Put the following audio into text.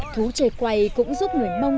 thú chơi quay cũng giúp người mông